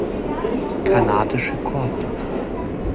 Kanadische Korps.